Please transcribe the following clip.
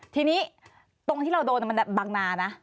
ทีนี้ตรงที่เราโดนมันบางนานะ